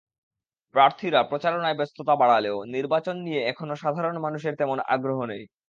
প্রার্থীরা প্রচারণায় ব্যস্ততা বাড়ালেও নির্বাচন নিয়ে এখনো সাধারণ মানুষের তেমন আগ্রহ নেই।